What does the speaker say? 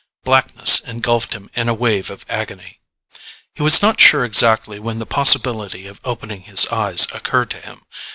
Blackness engulfed him in a wave of agony. He was not sure exactly when the possibility of opening his eyes occurred to him.